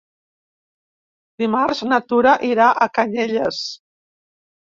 Dimarts na Tura irà a Canyelles.